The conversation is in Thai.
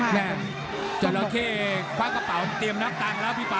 แม่งจัดร็อเกษความกระเป๋าเตรียมนักตังแล้วพี่ป่ะ